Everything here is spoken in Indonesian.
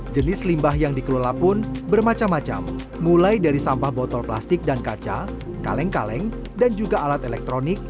jenis limbah yang dikelola pun bermacam macam mulai dari sampah botol plastik dan kaca kaleng kaleng dan juga alat elektronik